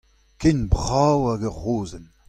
Ken brav hag ur rozenn.